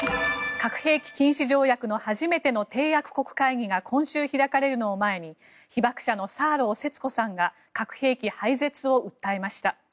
核兵器禁止条約の初めての締約国会議が今週開かれるのを前に被爆者のサーロー節子さんが核兵器廃絶を訴えました。